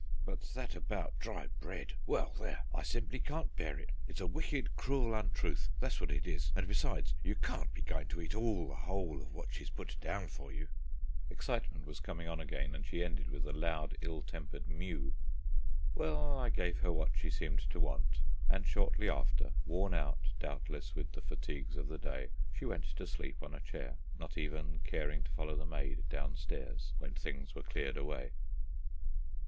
But that about dry bread! Well, there! I simply can't bear it. It's a wicked, cruel untruth, that's what it is; and besides, you can't be going to eat all the whole of what she's put down for you." Excitement was coming on again, and she ended with a loud ill tempered mew. Well, I gave her what she seemed to want, and shortly after, worn out doubtless with the fatigues of the day, she went to sleep on a chair, not even caring to follow the maid downstairs when things were cleared away.